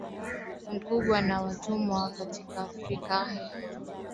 mkubwa wa watumwa katika Afrika walikuwa watumwa katika